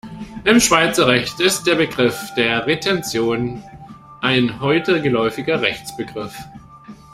Im Schweizer Recht ist der Begriff der Retention ein heute geläufiger Rechtsbegriff.